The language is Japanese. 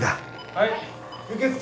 はい！